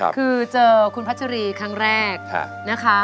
คือเจอคุณพัชรีครั้งแรกนะคะ